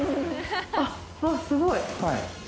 あすごい。